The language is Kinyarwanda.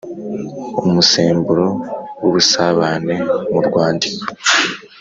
’umusemburo w’ubusabane, mu rwandiko